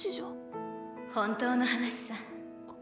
本当の話さ。